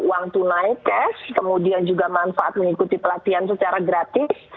uang tunai cash kemudian juga manfaat mengikuti pelatihan secara gratis